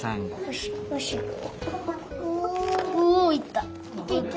おいった！